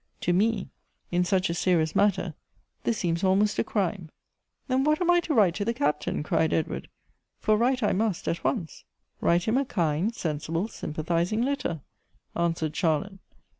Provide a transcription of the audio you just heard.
To me, in such a serious matter, this seems almost a crime." " Then what am I to write to the Captain ?" cried Ed ward ;" for write I must at once." " Write him a kind, sensible, sympathizing letter," an swered Charlotte.